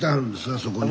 そこには。